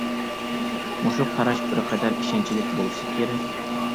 مۇشۇ قاراش بىر قەدەر ئىشەنچلىك بولسا كېرەك.